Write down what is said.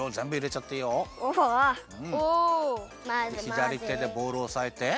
ひだりてでボウルをおさえてそうだ！